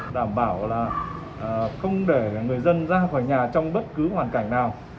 đảm bảo là không để người dân ra khỏi nhà trong bất cứ hoàn cảnh nào